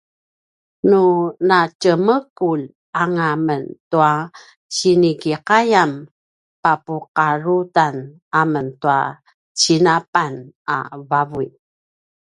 nu natjemekulj anga men tua sinikiqayam papuqarutan amen tua cinapan a vavuy